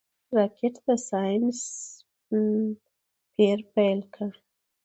راکټ د ساینس پېر پيل کړ